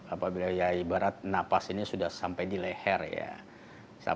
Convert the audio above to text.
apabila ya ibarat napas ini sudah sampai di leher ya